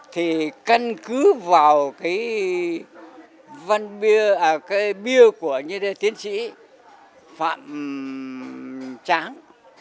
thì cân cứ vào cái bia của những tiến sĩ phạm tráng